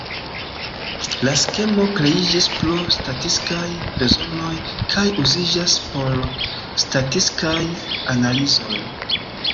La skemo kreiĝis pro statistikaj bezonoj kaj uziĝas por statistikaj analizoj.